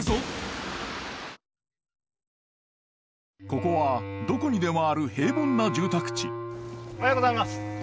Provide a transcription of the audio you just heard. ここはどこにでもある平凡な住宅地おはようございます。